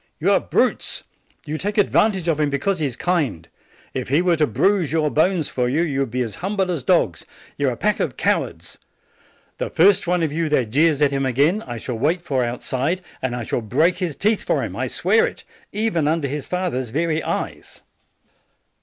You are brutes! You take advan tage of him because he is kind. II he were to bruise your bones for you, you would be as humble as dogs. You are a pack of cowards! The first one of you that jeers at him again, I shall wait for outside, and I shall break his teeth for him, I swear it, even un der his father's very eyes!"